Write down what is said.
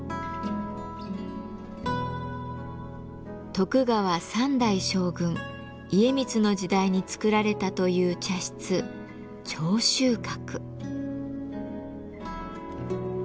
徳川三代将軍・家光の時代に造られたという茶室「聴秋閣」。